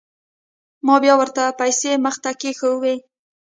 ما بيا ورته پيسې مخې ته کښېښووې.